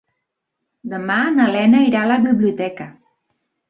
Demà na Lena irà a la biblioteca.